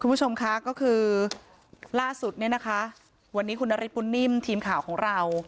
คุณผู้ชมค่ะก็คือล่าสุดเนี่ยนะคะวันนี้คุณนฤทธบุญนิ่มทีมข่าวของเรา